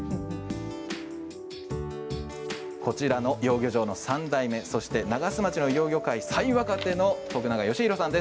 こちらの養魚場の３代目そして長洲町の養魚界最若手の徳永吉宏さんです。